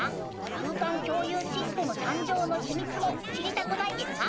空間共有システム誕生の秘密も知りたくないですか？